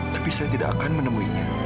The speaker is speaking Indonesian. tapi saya tidak akan menemuinya